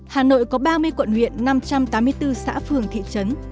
hà nội có ba mươi quận huyện năm trăm tám mươi bốn xã phường thị trấn